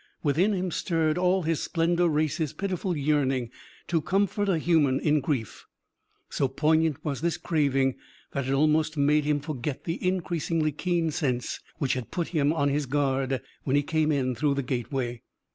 Within him stirred all his splendid race's pitiful yearning to comfort a human in grief. So poignant was this craving that it almost made him forget the increasingly keen scents which had put him on his guard when he came in through the gateway.